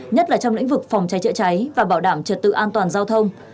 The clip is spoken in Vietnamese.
nhất là trong lĩnh vực phòng cháy chữa cháy và bảo đảm trật tự an toàn giao thông